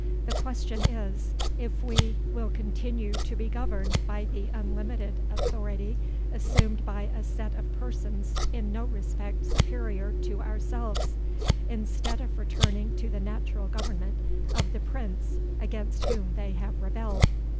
The question is, if we will continue to be governed by the unlimited authority assumed by a set of persons in no respect superior to ourselves, instead of returning to the natural government of the Prince against whom they have rebelled.